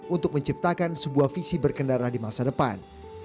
untuk menciptakan sebuah visi berkendara di masa depan